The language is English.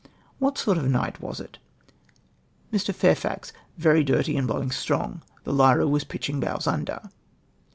" What sort of a night was it ?" Mr. Fairi'AX. —" Very dirty, and blowing strong. The Lyra was pitching hows under."